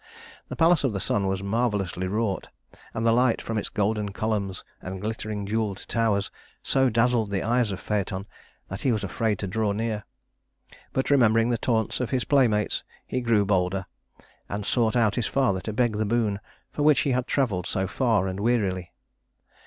The palace of the sun was marvelously wrought, and the light from its golden columns and glittering jeweled towers so dazzled the eyes of Phaëton that he was afraid to draw near. But remembering the taunts of his playmates, he grew bolder, and sought out his father to beg the boon for which he had traveled so far and wearily.